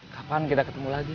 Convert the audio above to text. kapan kita ketemu lagi